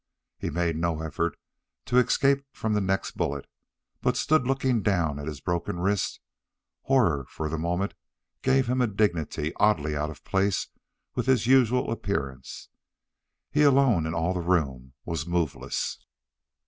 He made no effort to escape from the next bullet, but stood looking down at his broken wrist; horror for the moment gave him a dignity oddly out of place with his usual appearance. He alone in all the room was moveless.